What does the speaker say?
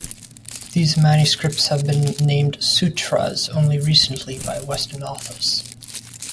These manuscripts have been named Sutras only recently by western authors.